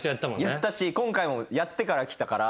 やったし今回もやってから来たから。